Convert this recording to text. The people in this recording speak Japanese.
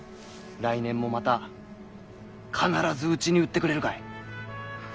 来年もまた必ずうちに売ってくれるかい。